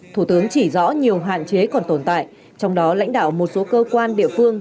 thủ tướng chỉ rõ nhiều hạn chế còn tồn tại trong đó lãnh đạo một số cơ quan địa phương